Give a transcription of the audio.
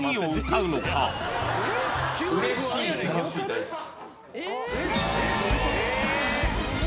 大好き！